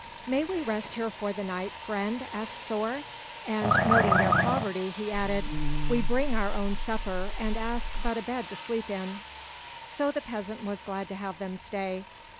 "May we rest here for the night, friend?" asked Thor; and noting their poverty, he added, "We bring our own supper, and ask but a bed to sleep in." So the peasant was glad to have them stay.